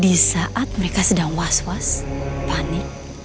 di saat mereka sedang was was panik